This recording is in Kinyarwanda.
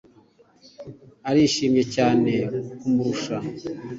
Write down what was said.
arishimye cyane kumurusha